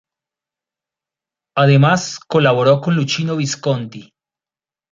Además colaboró con Luchino Visconti.